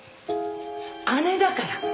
姉だから。